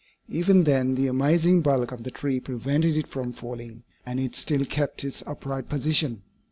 Even then the amazing bulk of the tree prevented it from falling, and it still kept its upright position.